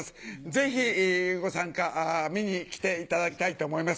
ぜひご参加見に来ていただきたいと思います。